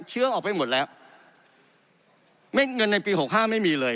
เชื้อออกไปหมดแล้วไม่เงินในปีหกห้าไม่มีเลย